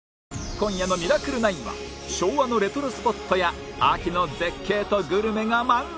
今夜の『ミラクル９』は昭和のレトロスポットや秋の絶景とグルメが満載！